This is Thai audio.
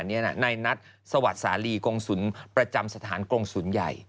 ในนัดสวัสดิ์สาลีกรงศูนย์ประจำสถานกรงศูนย์ใหญ่